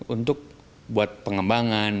untuk buat pengembangan